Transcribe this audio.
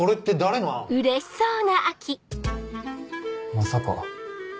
まさか。